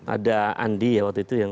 ada andi ya waktu itu yang